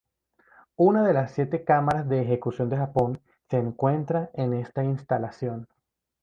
Una de las siete cámaras de ejecución de Japón se encuentra en esta instalación.